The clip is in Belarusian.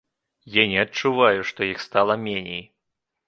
Я не адчуваю, што іх стала меней.